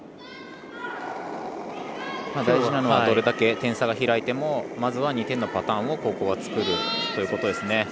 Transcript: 大事なのはどれだけ点差が開いてもまずは２点のパターンをここは作るということですね。